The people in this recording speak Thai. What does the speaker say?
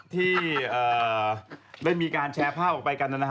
ที่ได้มีการแชร์ภาพออกไปกัน